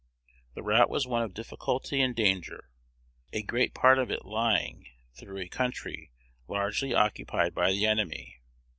The route was one of difficulty and danger, a great part of it lying through a country largely occupied by the enemy.